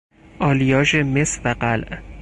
آلیاژ مس و قلع